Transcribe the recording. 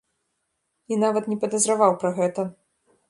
І нават не падазраваў пра гэта.